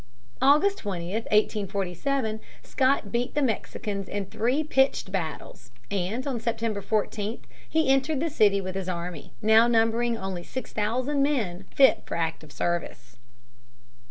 August 20, 1847, Scott beat the Mexicans in three pitched battles, and on September 14 he entered the city with his army, now numbering only six thousand men fit for active service.